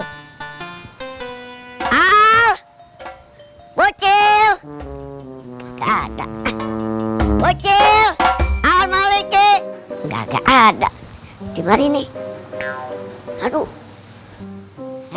ah bocil gak ada ah bocil ah maliki gak gak ada dimari nih aduh